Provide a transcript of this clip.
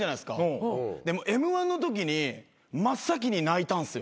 でもＭ−１のときに真っ先に泣いたんすよ。